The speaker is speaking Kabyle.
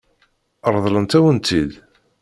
Ṛeḍlen-awen-tt-id?